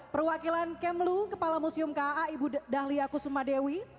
perwakilan kemlu kepala museum ka ibu dahlia kusuma dewi